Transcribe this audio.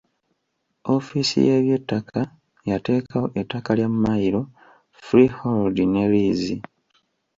Ofiisi y’eby'ettaka yateekawo ettaka lya mmayiro, freehold ne liizi.